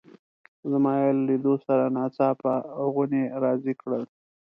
زما یې له لیدو سره ناڅاپه غونی را زېږ کړ.